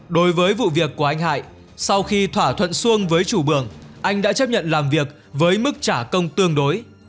đối với vụ việc của anh hải sau khi thỏa thuận xuông với chủ bường anh đã chấp nhận làm việc với mức trả công tương đối